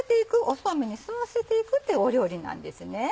そうめんに吸わせていくっていう料理なんですね。